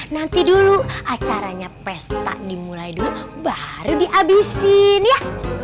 nanti dulu acaranya pesta dimulai dulu baru dihabisin ya